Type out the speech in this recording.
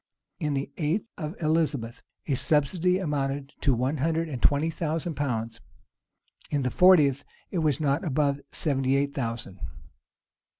In the eighth of Elizabeth, a subsidy amounted to one hundred and twenty thousand pounds: in the fortieth, it was not above seventy eight thousand.